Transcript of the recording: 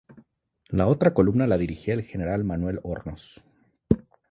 La otra columna la dirigía el general Manuel Hornos.